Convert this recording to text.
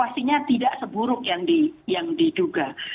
pastinya tidak seburuk yang diduga